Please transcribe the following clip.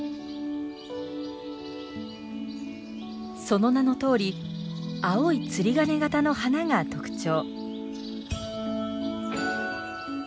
その名のとおり青い釣り鐘型の花が特徴。